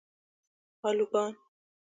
الوگان